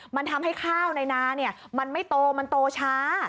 มันทำให้ข้าวในนามันไม่โตมันโตช้า